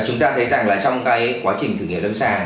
chúng ta thấy rằng là trong cái quá trình thử nghiệm lâm sàng